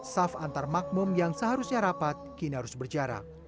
saf antar makmum yang seharusnya rapat kini harus berjarak